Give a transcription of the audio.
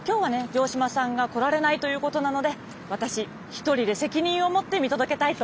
城島さんが来られないということなので私１人で責任を持って見届けたいと思います。